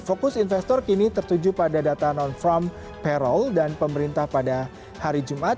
fokus investor kini tertuju pada data non from payroll dan pemerintah pada hari jumat